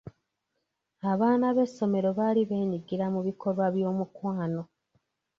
Abaana b'essomero baali beenyigira mu bikolwa by'omukwano.